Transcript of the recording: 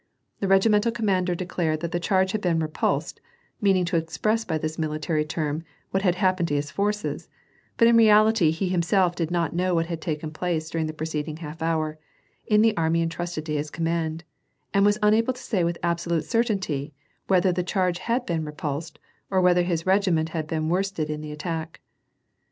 The regimental commander declared that the charge had been repulsed, meaning to express by this military term, what had happened to his forces ; but in rejility he himself did not know what had taken place during the pre ceding half hour, in the army entrusted to his command, and was unable to say with absolute certainty whether the cliarge had been repulsed or whether his regiment had been worsted in the attack.